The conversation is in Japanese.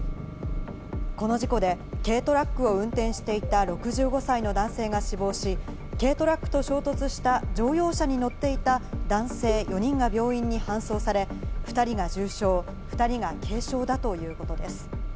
この事故で軽トラックを運転していた６５歳の男性が死亡し、軽トラックと衝突した乗用車に乗っていた男性４人が病院に搬送され、２人が重傷、２人が軽傷だということです。